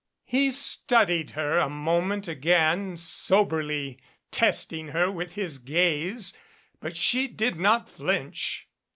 He studied her a moment again, soberly testing her with his gaze, but she did not flinch.